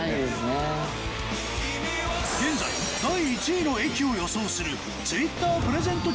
現在第１位の駅を予想するＴｗｉｔｔｅｒプレゼント